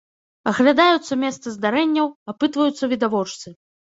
Аглядаюцца месцы здарэнняў, апытваюцца відавочцы.